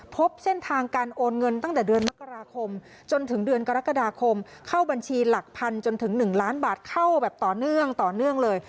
พบเส้นทางการโอนเงินตั้งแต่เดือนมกราคมจนถึงเดือนกรกฎาคมเข้าบัญชีหลักพันจนถึง๑ล้านบาทเข้าแบบต่อเนื่องต่อเนื่องเลย